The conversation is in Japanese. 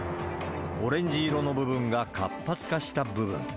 オレンジ色の部分が活発化した部分。